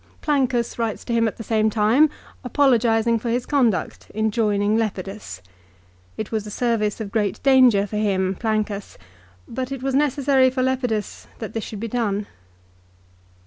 Plancus writes to him at the same time apologising for his conduct in joining Lepidus. It was a service of great danger for him, Plancus, but it was necessary for Lepidus that this should be done.